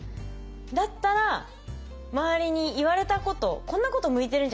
だったら周りに言われたこと「こんなこと向いてるんじゃない？